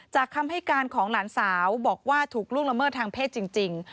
คำให้การของหลานสาวบอกว่าถูกล่วงละเมิดทางเพศจริง